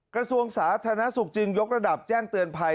กระทรวงสาธารณสุขจึงยกระดับแจ้งเตือนภัย